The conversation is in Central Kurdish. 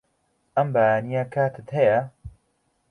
ئەم بەیانییە کاتت هەیە؟